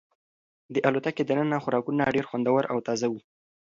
د الوتکې دننه خوراکونه ډېر خوندور او تازه وو.